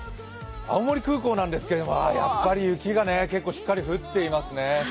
青森空港なんですけど、やっぱり雪が結構しっかり降っていますね。